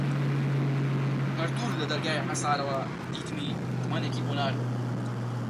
هەر دوور لە دەرگای حەسارەوە دیتمی تمەنێکی بۆ ناردم